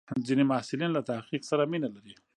ځینې محصلین له تحقیق سره مینه لري.